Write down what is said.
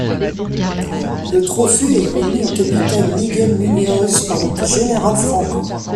Le trophée est remis au capitaine Miguel Muñoz par le général Franco.